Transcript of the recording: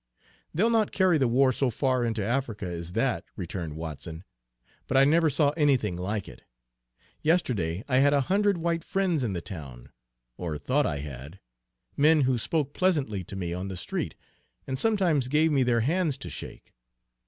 "They'll not carry the war so far into Africa as that," returned Watson; "but I never saw anything like it. Yesterday I had a hundred white friends in the town, or thought I had, men who spoke pleasantly to me on the street, and sometimes gave me their hands to shake.